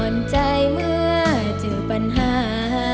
ใจเมื่อเจอปัญหา